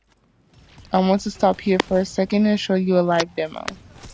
I want to stop here for a second and show you a live demo.